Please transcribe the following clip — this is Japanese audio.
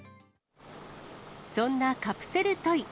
そんなカプセルトイ。